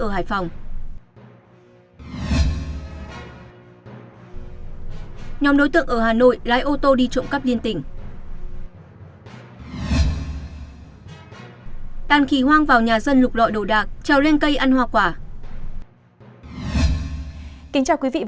hãy đăng ký kênh để ủng hộ kênh của chúng mình nhé